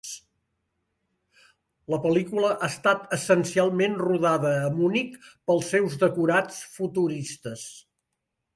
La pel·lícula ha estat essencialment rodada a Munic pels seus decorats futuristes.